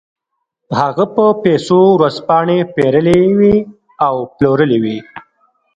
هغه په پیسو ورځپاڼې پېرلې وې او پلورلې وې